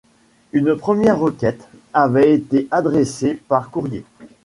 Une première requête avait été adressée par courrier.